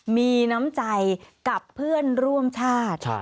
มีน้ำใจกับเพื่อนร่วมชาติ